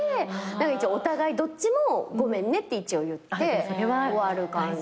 一応お互いどっちもごめんねって言って終わる感じ。